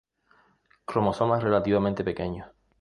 Cromosomas relativamente "pequeños".